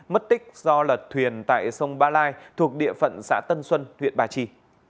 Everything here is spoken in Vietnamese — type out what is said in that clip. mất tích do lật thuyền tại sông ba lai thuộc địa phận xã tân xuân huyện ba trì